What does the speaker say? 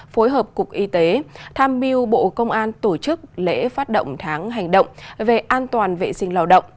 phối hợp cục y tế tham mưu bộ công an tổ chức lễ phát động tháng hành động về an toàn vệ sinh lao động